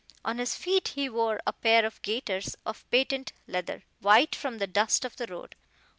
On his feet he wore a pair of gaiters of patent leather, white from the dust of the road.